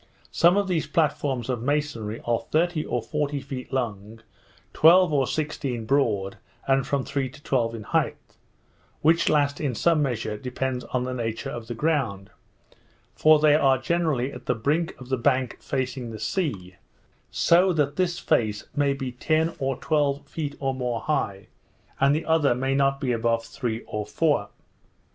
Some of these platforms of masonry are thirty or forty feet long, twelve or sixteen broad, and from three to twelve in height; which last in some measure depends on the nature of the ground; for they are generally at the brink of the bank facing the sea, so that this face may be ten or twelve feet or more high, and the other may not be above three or four.